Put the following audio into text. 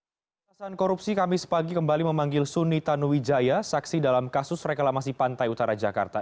pemerintahsan korupsi kami sepagi kembali memanggil suni tanuwijaya saksi dalam kasus reklamasi pantai utara jakarta